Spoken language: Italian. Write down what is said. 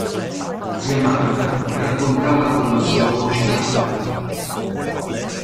Zia Marta raccontava con la sua voce rauca.